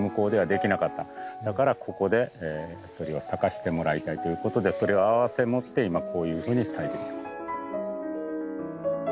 だからここでそれを咲かせてもらいたいということでそれを併せ持って今こういうふうに咲いてるんです。